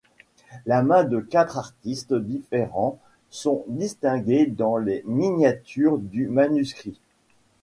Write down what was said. La main de quatre artistes différents sont distingués dans les miniatures du manuscrit.